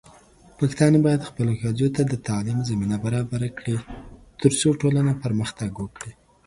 پښتانه بايد خپلو ښځو ته د تعليم زمينه برابره کړي، ترڅو ټولنه پرمختګ وکړي.